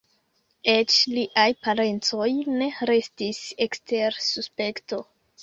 Eĉ liaj parencoj ne restis ekster suspekto.